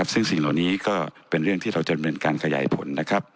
ซึ่งสิ่งเหล่านี้ก็เป็นเรื่องมันจะเมินการขยายผล